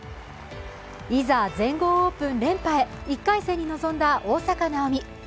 いざ全豪オープン連覇へ、１回戦に臨んだ大坂なおみ。